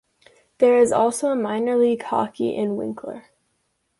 There is also a minor league hockey in Winkler.